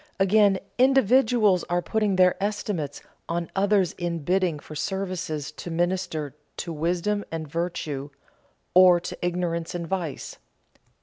Again, individuals are putting their estimates on others in bidding for services to minister to wisdom and virtue or to ignorance and vice.